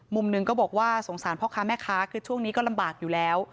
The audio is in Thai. มุมหนึ่งก็บอกว่าสงสารพ่อค้าแม่ค้าคือช่วงนี้ก็ลำบากอยู่แล้ว